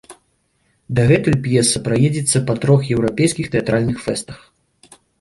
Дагэтуль п'еса праедзецца па трох еўрапейскіх тэатральных фэстах.